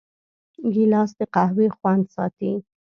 ګیلاس د قهوې خوند ساتي.